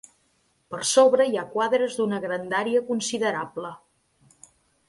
Per sobre hi ha quadres d'una grandària considerable.